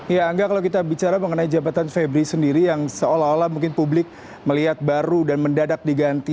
ya angga kalau kita bicara mengenai jabatan febri sendiri yang seolah olah mungkin publik melihat baru dan mendadak diganti